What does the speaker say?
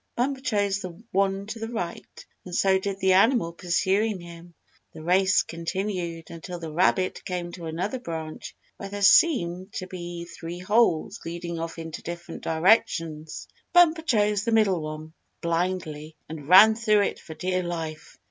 Bumper chose the one to the right, and so did the animal pursuing him. The race continued until the rabbit came to another branch where there seemed to be three holes leading off into different directions. Bumper chose the middle One blindly, and ran through it for dear life.